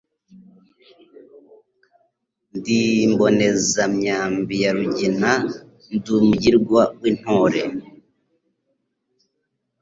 Ndi imbonezamyambi ya Rugina ndi umugirwa w,intore